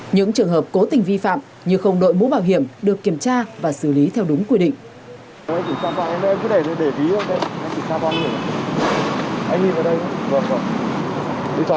những trường hợp cố tình vi phạm như không đội mũ bảo hiểm được kiểm tra và xử lý theo đúng quy định